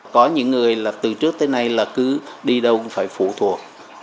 có những người là từ trước tới nay là cứ đi đâu cũng phải phụ thuộc